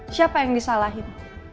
siapa yang disalahin